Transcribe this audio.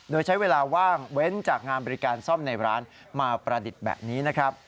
โดยใช้เวลาว่างเว้นจากงานบริการซ่อมในร้านมาประดิษฐ์แบบนี้นะครับ